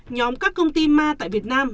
nhóm các công ty ma tại việt nam